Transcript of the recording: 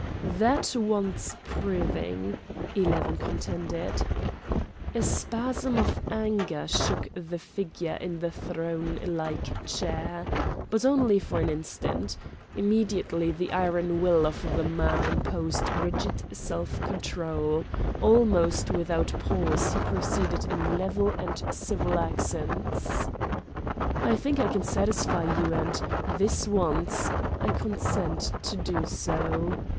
"That wants proving," Eleven contended. A spasm of anger shook the figure in the throne like chair, but only for an instant; immediately the iron will of the man imposed rigid self control; almost without pause he proceeded in level and civil accents: "I think I can satisfy you and—this once—I consent to do so.